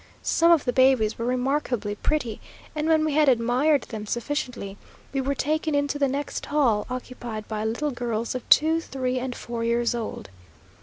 Some of the babies were remarkably pretty, and when we had admired them sufficiently, we were taken into the next hall, occupied by little girls of two, three, and four years old.